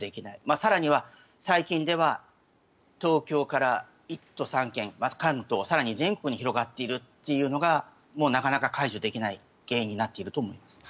更には、最近では東京から１都３県、関東更には全国に広がっているというのがなかなか解除できない原因になっていると思います。